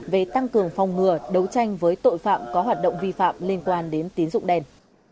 về tăng cường phòng ngừa đấu tranh với tội phạm có hoạt động vi phạm liên quan đến tín dụng đen